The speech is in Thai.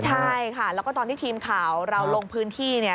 ใช่ค่ะแล้วก็ตอนที่ทีมข่าวเราลงพื้นที่เนี่ย